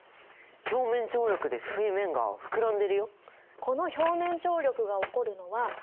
表面張力で水面が膨らんでるよ！